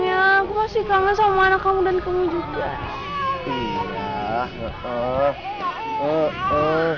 ya udah deh